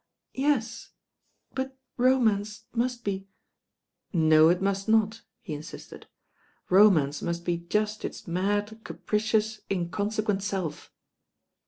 "Yes; but ron^ance must be " ^o it must not," he insisted. "Romance must be just its mad, capricious, inconsequent self."